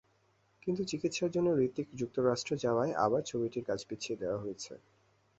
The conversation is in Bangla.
কিন্তু চিকিৎসার জন্য হূতিক যুক্তরাষ্ট্র যাওয়ায় আবার ছবিটির কাজ পিছিয়ে দেওয়া হয়েছে।